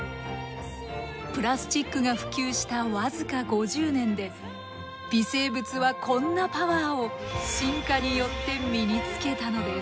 プラスチックが普及した僅か５０年で微生物はこんなパワーを進化によって身につけたのです。